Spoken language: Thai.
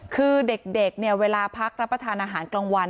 คือเด็กเนี่ยเวลาพักรับประทานอาหารกลางวัน